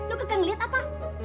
lu kekang ngeliat apa